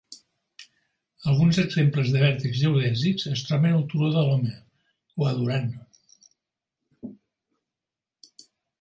Alguns exemples de vèrtex geodèsics es troben al Turo de l'Home o a Duran.